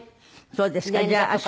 そうですか。